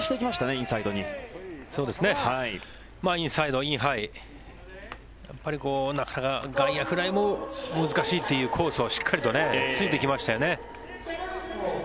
インサイド、インハイやっぱり外野フライも難しいというコースをしっかりと突いていきましたよね。